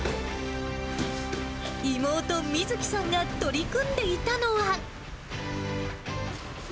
妹、美月さんが取り組んでいたのは。